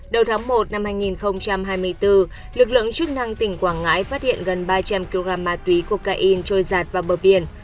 đầu tháng một năm hai nghìn hai mươi bốn lực lượng chức năng tỉnh quảng ngãi phát hiện gần ba trăm linh kg ma túy cocaine trôi giạt vào bờ biển